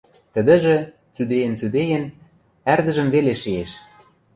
Тӹдӹжӹ, цӱдеен-цӱдеен, ӓрдӹжӹм веле шиэш.